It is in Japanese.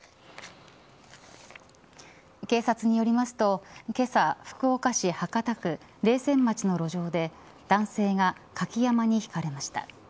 警察によりますと今朝、福岡市博多区冷泉町の路上で男性がかき山笠にひかれました。